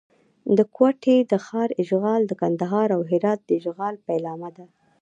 د کوټې د ښار اشغال د کندهار او هرات د اشغال پیلامه ده.